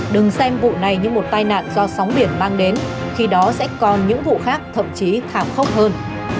đừng xem vụ này như một tai nạn do sóng biển mang đến khi đó sẽ còn những vụ khác thậm chí thảm khốc hơn